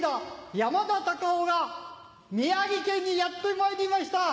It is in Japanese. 山田隆夫が宮城県にやってまいりました。